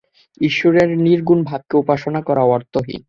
ঈশ্বরের নির্গুণ ভাবকে উপাসনা করা অর্থহীন।